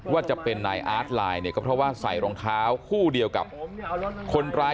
ว่าจะเป็นนายอาร์ตไลน์เนี่ยก็เพราะว่าใส่รองเท้าคู่เดียวกับคนร้าย